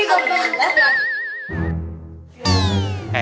udah udah udah udah